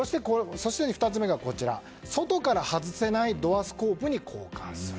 そして２つ目が外から外せないドアスコープに交換する。